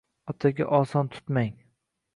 Otaga oson tutmang.